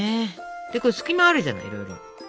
これ隙間あるじゃないいろいろ。